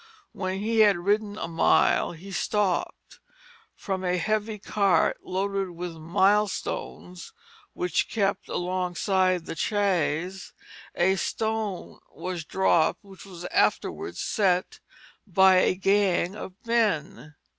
When he had ridden a mile he stopped; from a heavy cart loaded with milestones, which kept alongside the chaise, a stone was dropped which was afterwards set by a gang of men.